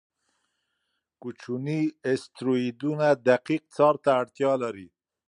کوچني اسټروېډونه دقیق څار ته اړتیا لري.